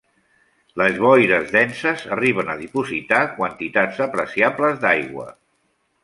Les boires denses arriben a dipositar quantitats apreciables d'aigua.